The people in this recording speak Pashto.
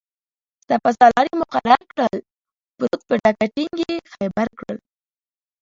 سپه سالار یې مقرر کړلو-پروت په ډکه ټینګ یې خیبر کړلو